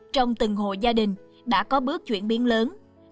trong từng hộ gia đình đã có bước chuyển biến lớn